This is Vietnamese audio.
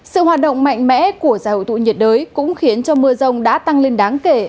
sự hoạt động mạnh mẽ của giải hậu thụ nhiệt đới cũng khiến cho mưa rông đã tăng lên đáng kể